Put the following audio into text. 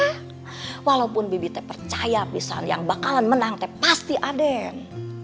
hah walaupun bibi teh percaya bisa yang bakalan menang teh pasti aden